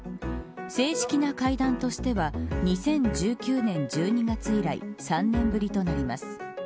正式な会談としては２０１９年１２月以来３年ぶりとなります。